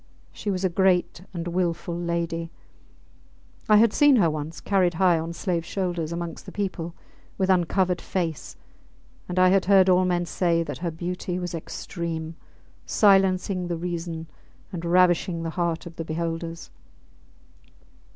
She was a great and wilful lady: I had seen her once carried high on slaves shoulders amongst the people, with uncovered face, and I had heard all men say that her beauty was extreme, silencing the reason and ravishing the heart of the beholders.